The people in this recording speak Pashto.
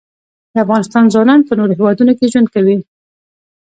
د افغانستان ځوانان په نورو هیوادونو کې ژوند کوي.